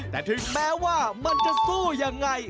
แต่ถึงแม้ว่ามันจะสู้ยังไง